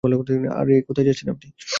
আরে কোথায় যাচ্ছেন আপনি?